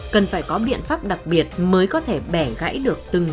cần phải có biện pháp đặc biệt mới có thể bẻ gãi được từng mắt